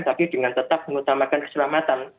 tapi dengan tetap mengutamakan keselamatan